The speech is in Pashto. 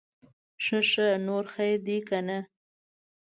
ښه ښه, نور خير دے که نه؟